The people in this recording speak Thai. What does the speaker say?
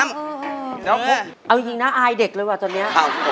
แล้วเอาจริงนะอายเด็กเลยว่ะตอนนี้